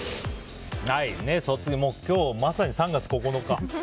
今日、まさに３月９日。